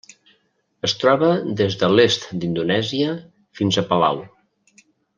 Es troba des de l'est d'Indonèsia fins a Palau.